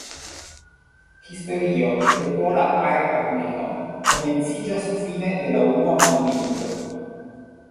Historio de Pola Aer-Armeo komenciĝas fine de la unua mondmilito.